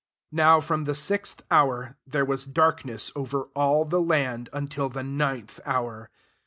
45 Now from the sixth hour, diere was darkness over all the knd, until the ninth hour.